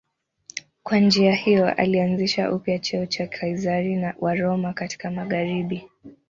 Kwa njia hiyo alianzisha upya cheo cha Kaizari wa Roma katika magharibi.